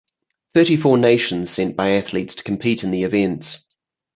Thirty-four nations sent biathletes to compete in the events.